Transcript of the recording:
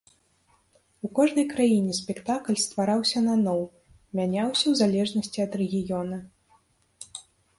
У кожнай краіне спектакль ствараўся наноў, мяняўся ў залежнасці ад рэгіёна.